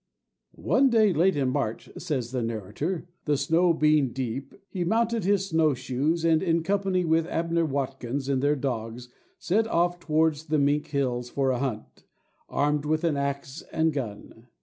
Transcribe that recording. "One day, late in March," says the narrator, "the snow being deep, he mounted his snow shoes, and in company with Abner Watkins and their dogs, set off towards the Mink Hills for a hunt, armed with an axe and gun.